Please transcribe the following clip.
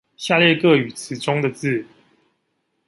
下列各語詞中的字